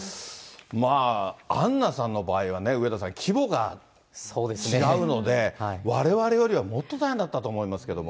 アンナさんの場合はね、上田さん、規模が違うので、われわれよりはもっと大変だったと思いますけれども。